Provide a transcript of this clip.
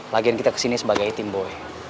lagian kita kesini sebagai tim boy